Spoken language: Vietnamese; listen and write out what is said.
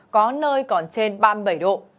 có nơi còn trên ba mươi bảy độ